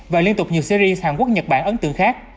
và liên tục nhiều syri hàn quốc nhật bản ấn tượng khác